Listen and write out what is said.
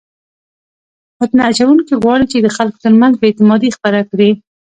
فتنه اچونکي غواړي چې د خلکو ترمنځ بې اعتمادي خپره کړي.